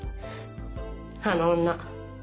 あの女